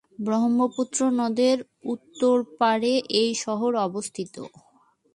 ব্রহ্মপুত্র নদের উত্তর পারে এই শহর অবস্থিত।